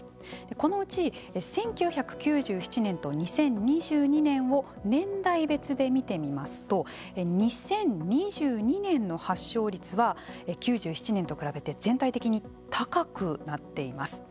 このうち１９９７年と２０２２年を年代別で見てみますと２０２２年の発症率は９７年と比べて全体的に高くなっています。